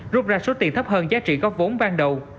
rút ra số tiền thấp hơn giá trị góp vốn ban đầu